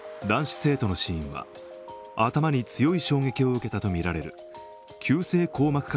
男子生徒の死因は、頭に強い衝撃を受けたとみられる急性硬膜